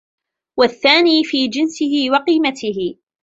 وَالثَّانِي فِي جِنْسِهِ وَقِيمَتِهِ